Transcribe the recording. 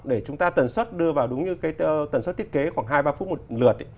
để chúng ta tần suất đưa vào đúng như cái tần suất thiết kế khoảng hai ba phút một lượt